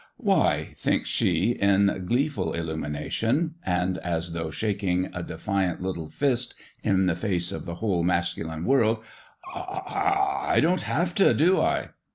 " Why," thinks she, in gleeful illumination and as though shaking a defiant little fist in the face of the whole masculine world " I I I don't have t', do I